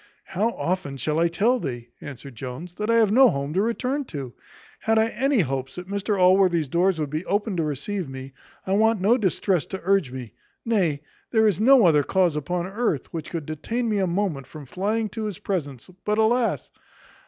"How often shall I tell thee," answered Jones, "that I have no home to return to? Had I any hopes that Mr Allworthy's doors would be open to receive me, I want no distress to urge me nay, there is no other cause upon earth, which could detain me a moment from flying to his presence; but, alas!